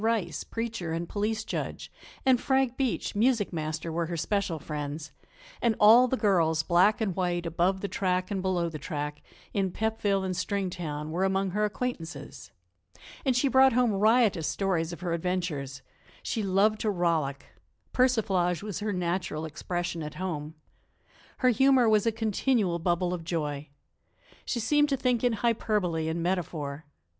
Rice, preacher and police judge, and Frank Beach, music master, were her special friends, and all the girls, black and white, above the track and below the track, in Pepville and Stringtown, were among her acquaintances. And she brought home riotous stories of her adventures. She loved to rollick; persiflage was her natural expression at home. Her humor was a continual bubble of joy. She seemed to think in hyperbole and metaphor.